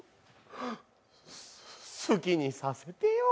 好きにさせてよ。